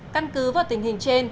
căn cứ vào tình hình trên